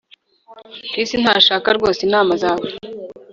Chris ntashaka rwose inama zawe